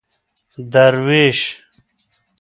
دروېش